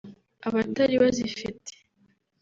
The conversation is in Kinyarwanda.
abatari bazifite